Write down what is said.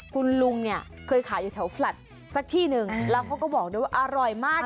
คุณลุงเนี่ยเคยขายอยู่แถวแฟลตสักที่หนึ่งแล้วเขาก็บอกด้วยว่าอร่อยมาก